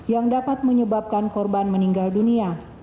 yang dapat menyebabkan korban meninggal dunia